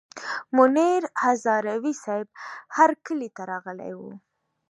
منیر هزاروي صیب هرکلي ته راغلي ول.